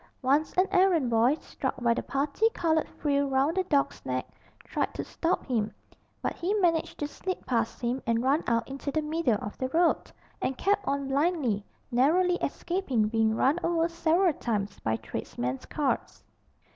Once an errand boy, struck by the parti coloured frill round the dog's neck, tried to stop him, but he managed to slip past him and run out into the middle of the road, and kept on blindly, narrowly escaping being run over several times by tradesmen's carts.